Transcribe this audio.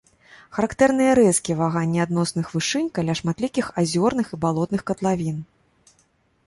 Характэрны рэзкія ваганні адносных вышынь каля шматлікіх азёрных і балотных катлавін.